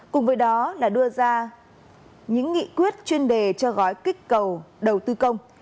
cùng với đó là đưa ra những nghị quyết chuyên đề cho gói kích cầu đầu tư công